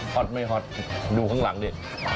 ตไม่ฮอตดูข้างหลังดิ